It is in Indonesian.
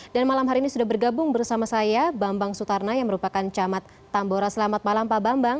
dan malam hari ini sudah bergabung bersama saya bambang sutarna yang merupakan camat tambora selamat malam pak bambang